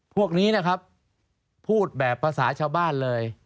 พวกนี้นะครับพูดแบบภาษาชาวบ้านเลย